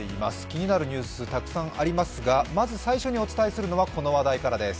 気になるニュース、たくさんありますが、まず最初にお伝えするのはこの話題からです。